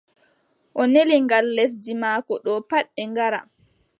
O neli ngal lesdi maako ɗo pat ɓe ngara.